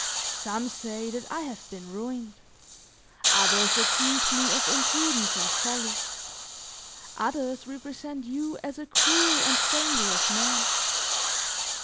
Some say that I have been ruined; others accuse me of imprudence and folly; others represent you as a cruel and dangerous man.